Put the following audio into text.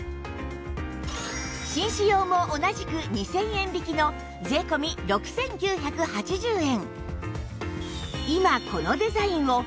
紳士用も同じく２０００円引きの税込６９８０円